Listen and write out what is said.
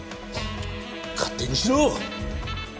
勝手にしろ！